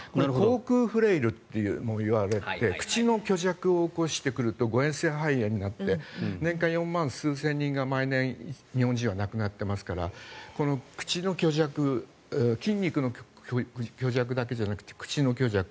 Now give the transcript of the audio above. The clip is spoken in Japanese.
口腔フレイルともいわれて口の虚弱を起こしてくると誤嚥性肺炎になって年間４万数千人が毎年日本人は亡くなっていますから口の虚弱筋肉の虚弱だけじゃなくて口の虚弱。